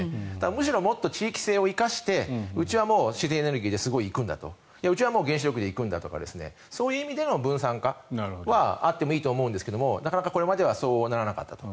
むしろもっと地域性を生かしてうちは自然エネルギーで行くんだうちはもう原子力で行くんだとかそういう意味での分散化はあってもいいと思うんですがなかなかこれまではそうならなかったと。